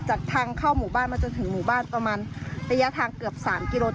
จากทางเข้าหมู่บ้านมาจนถึงหมู่บ้านประมาณระยะทางเกือบ๓กิโล